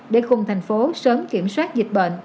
để cùng thành phố sớm kiểm soát dịch bệnh